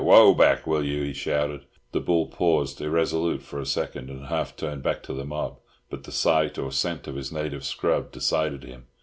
Whoa back, will you!" he shouted. The bull paused irresolute for a second, and half turned back to the mob, but the sight or scent of his native scrub decided him.